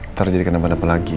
ntar jadi kenapa napa lagi